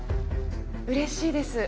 うれしいです。